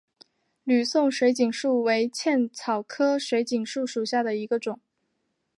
吕宋水锦树为茜草科水锦树属下的一个种。